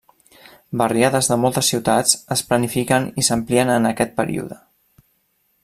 Barriades de moltes ciutats es planifiquen i s'amplien en aquest període.